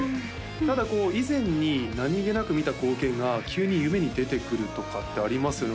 ただこう以前に何げなく見た光景が急に夢に出てくるとかってありますよね